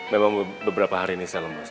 memang beberapa hari ini saya lemas